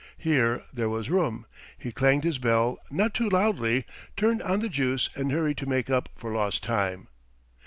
Here there was room. He clanged his bell, not too loudly, turned on the juice, and hurried to make up for lost time.